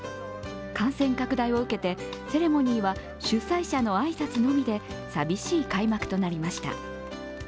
感染拡大を受けたセレモニーは主催者の挨拶のみで寂しい開幕となりました。